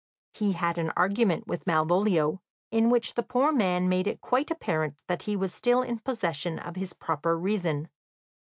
He had an argument with Malvolio, in which the poor man made it quite apparent that he was still in possession of his proper reason.